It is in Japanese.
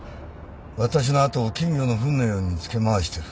私の後を金魚のフンのようにつけ回してる。